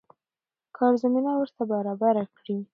کار زمينه ورته برابره کړي.